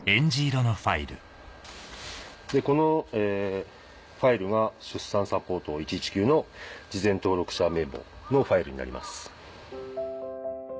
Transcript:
このファイルは出産サポート１１９の事前登録者名簿のファイルになります。